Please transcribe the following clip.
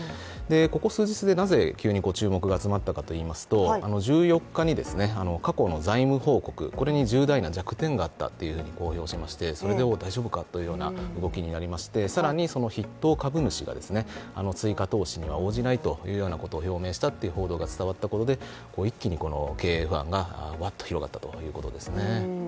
ここ数日でなぜ急に注目が集まったかといいますと１４日に、過去の財務報告に重大な弱点があったと公表しましてそれで大丈夫か？というような動きになりまして、更にその筆頭株主が追加投資には応じないということを表明したという報道が伝わったことで一気に経営不安がわっと広がったということですね。